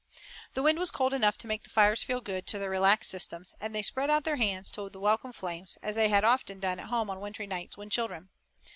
The wind was cold enough to make the fires feel good to their relaxed systems, and they spread out their hands to the welcome flames, as they had often done at home on wintry nights, when children.